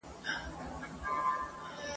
زما یې په نصیب لیکلی دار دی بیا به نه وینو !.